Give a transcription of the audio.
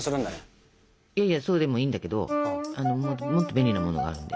いやそうでもいいんだけどもっともっと便利なものがあるんで。